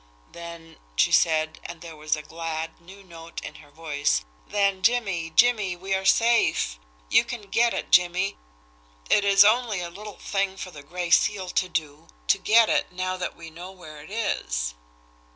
"Then," she said and there was a glad, new note in her voice, "then, Jimmie Jimmie, we are safe! You can get it, Jimmie! It is only a little thing for the Gray Seal to do to get it now that we know where it is."